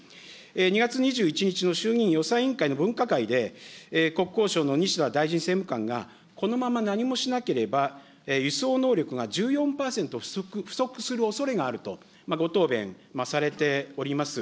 ２月２１日の衆議院予算委員会の分科会で、国交省のにしだ大臣政務官が、このまま何もしなければ輸送能力が１４％不足するおそれがあるとご答弁されております。